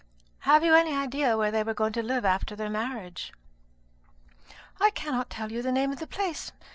"Have you any idea where they were going to live after their marriage?" "I cannot tell you the name of the place.